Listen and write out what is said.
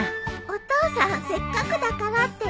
お父さんせっかくだからって。